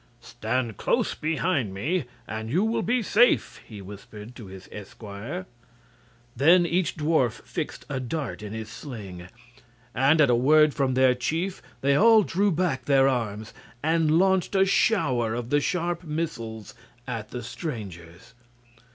"Stand close behind me and you will be safe," he whispered to his esquire. Then each dwarf fixed a dart in his sling, and at a word from their chief they all drew back their arms and launched a shower of the sharp missiles at the strangers.